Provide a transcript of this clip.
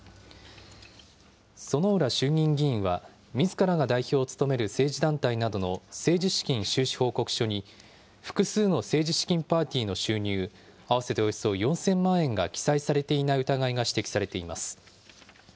薗浦衆議院議員は、みずからが代表を務める政治団体などの政治資金収支報告書に、複数の政治資金パーティーの収入、合わせておよそ４０００万円が記載されていない疑いが指摘されています。